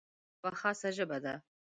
دا یوه خاصه ژبه ده.